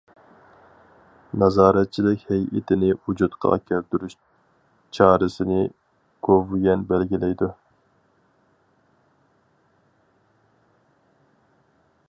نازارەتچىلىك ھەيئىتىنى ۋۇجۇدقا كەلتۈرۈش چارىسىنى گوۋۇيۈەن بەلگىلەيدۇ.